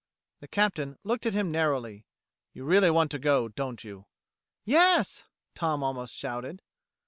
The Captain looked at him narrowly. "You really want to go, don't you?" "Yes!" Tom almost shouted.